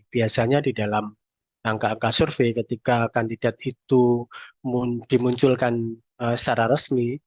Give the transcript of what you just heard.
biasanya di dalam angka angka survei ketika kandidat itu dimunculkan secara resmi